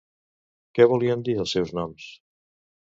Què volen dir els seus noms?